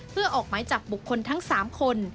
เพื่อออกไม้จับบุคคลทั้งสามคน